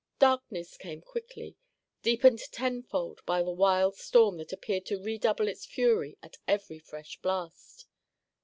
Darkness came quickly, deepened tenfold by the wild storm that appeared to redouble its fury at every fresh blast.